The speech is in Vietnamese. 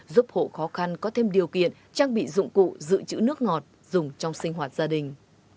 giúp hộ khó khăn có thêm điều kiện trang bị dụng cụ giữ chữ nước ngọt dùng trong sinh hoạt gia đình